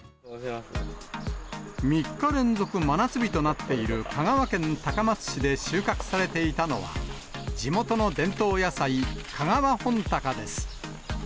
３日連続真夏日となっている香川県高松市で収穫されていたのは、地元の伝統野菜、香川本鷹です。